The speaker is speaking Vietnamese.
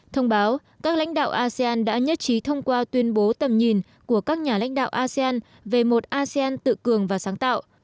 thông báo các lãnh đạo asean đã nhất trí thông qua tuyên bố tầm nhìn của các nhà lãnh đạo asean về một asean tự cường và sáng tạo